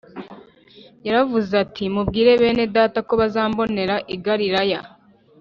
yaravuze ati, mubwire bene data ko bazambonera i galilaya